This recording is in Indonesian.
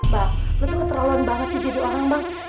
bang lu tuh ketorawan banget sih jadi orang bang